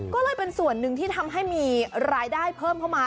ก็เลยเป็นส่วนหนึ่งที่ทำให้มีรายได้เพิ่มเข้ามา